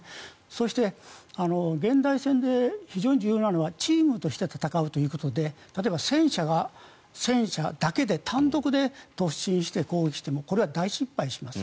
そして、現代戦で非常に重要なのはチームとして戦うということで例えば戦車が戦車だけで単独で突進しても攻撃してもこれは大失敗します。